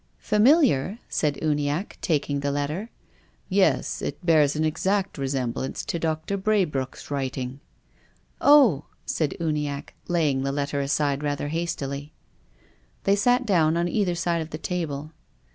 " Familiar ?" said Uniackc, taking the letter. " Yes. It bears an exact resemblance to Doctor Braybrooke's writing." " Oh !" said Uniacke, laying the letter aside rather hastily. They sat down on either side of the table.